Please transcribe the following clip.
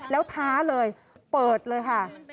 แล้วท้าเลยเปิดเลยค่ะ